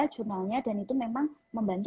jurnalnya dan itu memang membantu